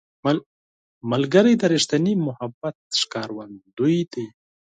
ملګری د ریښتیني محبت ښکارندوی دی